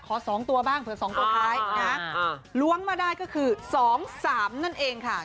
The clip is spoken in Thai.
๒ตัวบ้างเผื่อ๒ตัวท้ายนะล้วงมาได้ก็คือ๒๓นั่นเองค่ะ